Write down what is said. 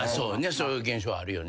そういう現象あるよね。